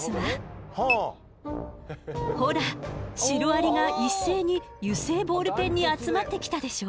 ほらシロアリが一斉に油性ボールペンに集まってきたでしょ。